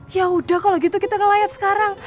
yaudah kalo gitu kita ngelayat sekarang